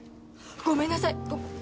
ごめんなさい！